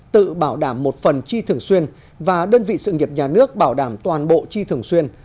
tự bảo đảm một phần chi thường xuyên và đơn vị sự nghiệp nhà nước bảo đảm toàn bộ chi thường xuyên